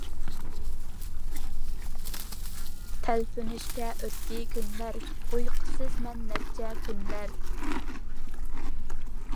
تەلپۈنۈشتە ئۆتتى كۈنلەر، ئۇيقۇ سىز مەن نەچچە تۈنلەر.